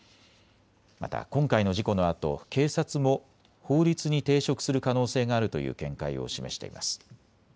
また今回の事故のあと、警察も法律に抵触する可能性があるという見解を示しています。